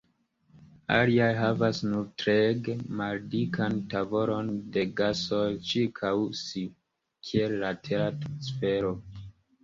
Aliaj havas nur treege maldikan tavolon de gasoj ĉirkaŭ si, kiel la Tera atmosfero.